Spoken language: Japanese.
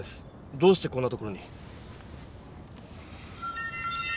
どうしてこんな所に。